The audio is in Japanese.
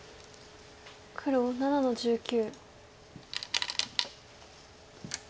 黒７の十九。